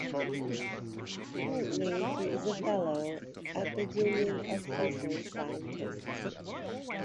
Currently, he is a fellow at the Union of Concerned Scientists.